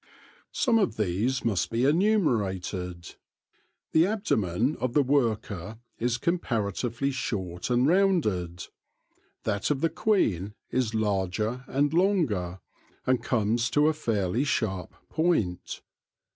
Some of these must be enumerated. The abdomen of the worker is comparatively short and rounded : that of the queen is larger and longer, and comes to a fairly sharp point.